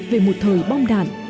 về một thời bom đạn